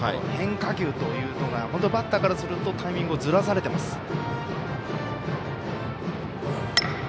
変化球、バッターからするとタイミングをずらされています。